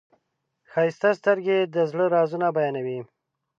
ښایسته سترګې د زړه رازونه بیانوي.